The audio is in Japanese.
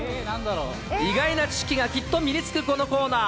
意外な知識がきっと身につくこのコーナー。